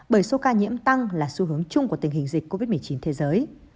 bởi số ca nhiễm tăng là xu hướng chung của tình hình dịch covid một mươi chín thế giới